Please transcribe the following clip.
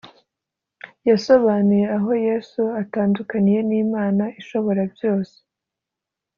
yasobanuye aho yesu atandukaniye n ‘imana ishoborabyose.